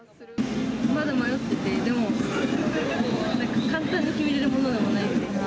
まだ迷ってて、でもなんか簡単に決めれるものではないから。